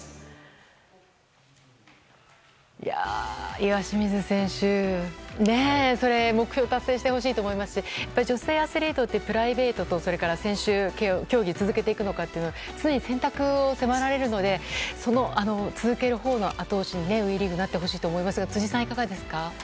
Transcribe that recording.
岩清水選手、目標達成してほしいと思いますし女性アスリートってプライベートと選手として競技を続けていくのかという常に選択を迫られるのでその続けるほうの後押しにＷＥリーグはなってほしいと思いますが辻さん、いかがですか。